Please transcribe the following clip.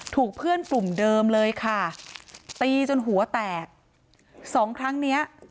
ถูกเพื่อนกลุ่มเดิมเลยค่ะตีจนหัวแตกสองครั้งเนี้ย